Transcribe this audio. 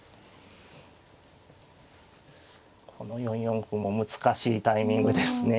この４四歩も難しいタイミングですね。